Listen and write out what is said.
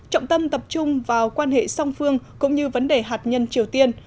trọng tâm tập trung vào quan hệ song phương cũng như vấn đề hạt nhân triều tiên